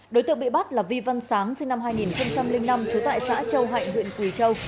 đối tượng bị bắt là vi văn sáng sinh năm hai nghìn năm trú tại xã châu hạnh huyện quỳ châu